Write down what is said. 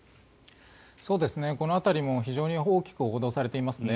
この辺りも非常に大きく報道されていますね。